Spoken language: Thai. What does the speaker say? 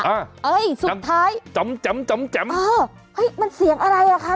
เฮ้ยสุดท้ายจำจำจำจำอ๋อเฮ้ยมันเสียงอะไรอ่ะค่ะ